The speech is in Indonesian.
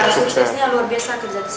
suksesnya luar biasa kerja di sini